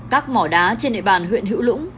các mỏ đá trên địa bàn huyện hữu lũng